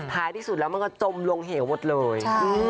ท้ายที่สุดแล้วมันก็จมลงเหวหมดเลย